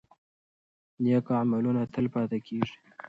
نیک عملونه تل پاتې کیږي.